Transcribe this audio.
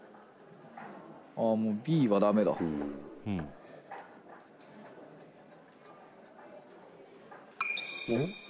「あっもうＢはダメだ」おっ。